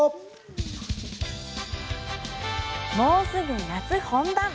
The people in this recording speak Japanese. もうすぐ夏本番。